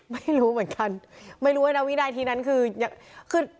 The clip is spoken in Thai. ไม่รู้เหมือนกันไม่รู้ว่านะวินาทีนั้นคือยังคือ